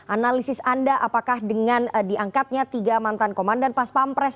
analisis anda apakah dengan diangkatnya tiga mantan komandan pas pampres